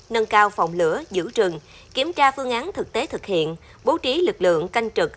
nâng cao phòng lửa giữ rừng kiểm tra phương án thực tế thực hiện bố trí lực lượng canh trực